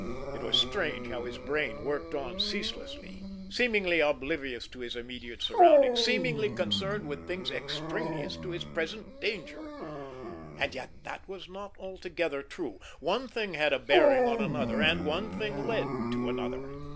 It was strange how his brain worked on ceaselessly, seemingly oblivious to his immediate surroundings, seemingly concerned with things extraneous to his present danger! And yet that was not altogether true. One thing had a bearing on another; and one thing led to another.